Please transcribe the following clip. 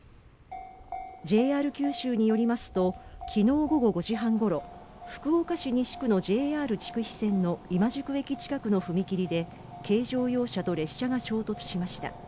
ＪＲ九州によりますと、昨日午後５時半ごろ、福岡市西区のＪＲ筑肥線の今宿駅近くの踏切で軽乗用車と列車が衝突しました。